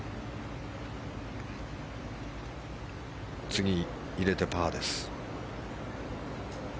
次、入れてパーです。